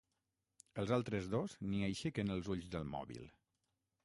Els altres dos ni aixequen els ulls del mòbil.